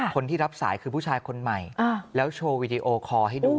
คนที่รับสายคือผู้ชายคนใหม่แล้วโชว์วีดีโอคอร์ให้ดู